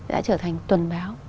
đã trở thành tuần báo